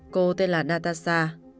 cô tên là natasha